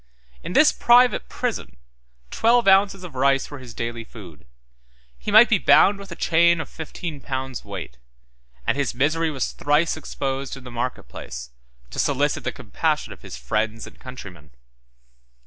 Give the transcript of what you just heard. In this private prison, twelve ounces of rice were his daily food; he might be bound with a chain of fifteen pounds weight; and his misery was thrice exposed in the market place, to solicit the compassion of his friends and countrymen.